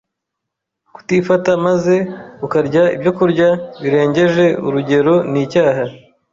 Kutifata maze ukarya ibyokurya birengeje urugero ni icyaha,